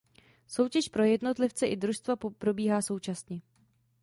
Soutěž pro jednotlivce i družstva probíhá současně.